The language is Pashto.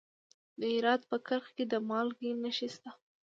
د هرات په کرخ کې د مالګې نښې شته.